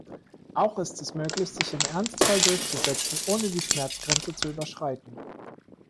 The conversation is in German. Auch ist es möglich, sich im Ernstfall durchzusetzen, ohne die Schmerzgrenze zu überschreiten.